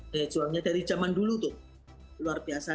daya juangnya dari zaman dulu tuh luar biasa